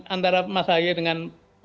antara mas haye dengan